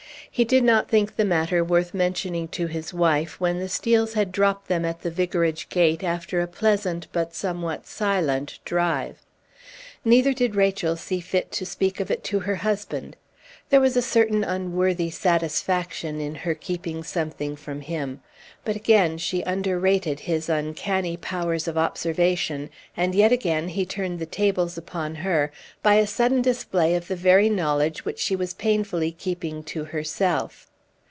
He did not think the matter worth mentioning to his wife, when the Steels had dropped them at the Vicarage gate, after a pleasant but somewhat silent drive. Neither did Rachel see fit to speak of it to her husband. There was a certain unworthy satisfaction in her keeping something from him. But again she underrated his uncanny powers of observation, and yet again he turned the tables upon her by a sudden display of the very knowledge which she was painfully keeping to herself.